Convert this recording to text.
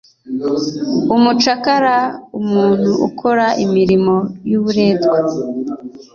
umucakara: umuntu ukora imirimo y’uburetwa,